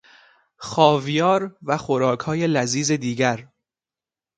خاویار و خوراکهای لذیذ دیگر